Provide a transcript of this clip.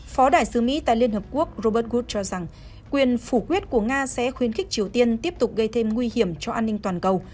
phó đại sứ mỹ tại liên hợp quốc robert grut cho rằng quyền phủ quyết của nga sẽ khuyến khích triều tiên tiếp tục gây thêm nguy hiểm cho an ninh toàn cầu